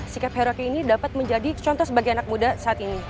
si kep heraki ini dapat menjadi contoh sebagai anak muda saat ini